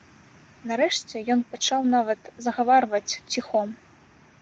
Нарэшце ён пачаў нават загаварваць ціхом.